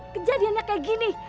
kejadiannya kayak gini